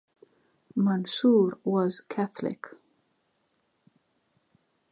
Mansour was Catholic.